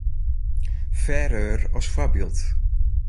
Faeröer as foarbyld.